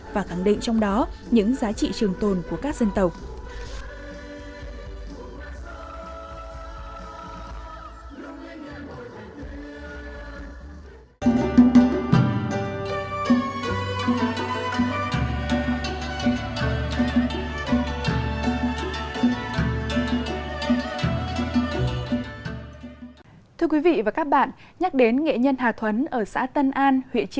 và khẳng định trong đó những giá trị trường tồn của các dân tộc